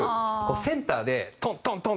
センターでトントントン！